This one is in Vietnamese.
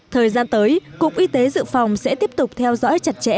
thời gian tới cục y tế dự phòng sẽ tiếp tục theo dõi chặt chẽ